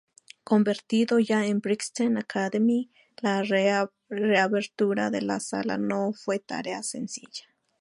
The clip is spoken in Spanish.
Convertido ya en Brixton Academy, la reapertura de la sala no fue tarea sencilla.